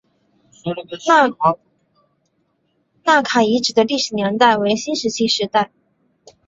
纳卡遗址的历史年代为新石器时代。